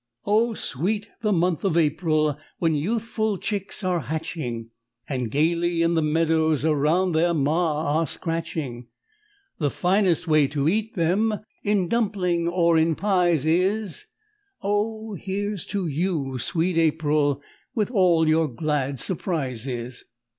Oh, sweet the month of April, When youthful chicks are hatching, And gayly in the meadows Around their ma are scratching! The finest way to eat them In dumpling or in pies is Oh, here's to you, sweet April, With all your glad surprises!